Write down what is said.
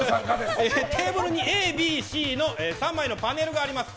テーブルにＡ、Ｂ、Ｃの３枚のパネルがあります。